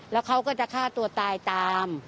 แล้วเขาก็จะฆ่าตัวตายตาม